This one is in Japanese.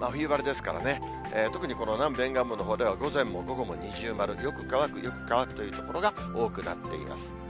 冬晴れですからね、特にこの南部、沿岸部のほうでは午前も午後も二重丸、よく乾く、よく乾くという所が多くなっています。